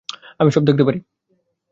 আমি সব দেখতে পারি।